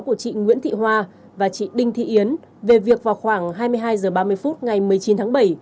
của chị nguyễn thị hoa và chị đinh thị yến về việc vào khoảng hai mươi hai h ba mươi phút ngày một mươi chín tháng bảy